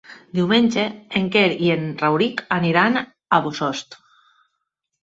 Diumenge en Quer i en Rauric aniran a Bossòst.